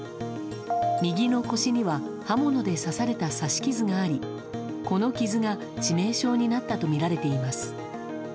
右の腰には刃物で刺された刺し傷がありこの傷が致命傷になったとみられています。